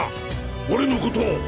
俺のことを！